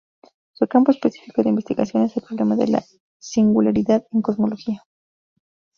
Su campo específico de investigación es el "problema de la singularidad" en cosmología.